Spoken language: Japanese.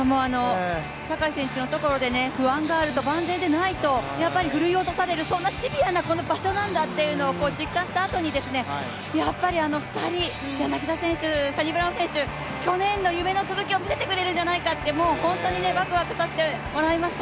坂井選手のところで不安があると、万全でないと、やっぱりふるい落とされるそんなシビアな場所なんだと実感したあとに、やっぱりあの２人、柳田選手、サニブラウン選手、去年の夢の続きを見せてくれるんじゃないかって、本当にワクワクさせてもらいました。